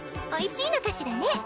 おいしいのかしらね？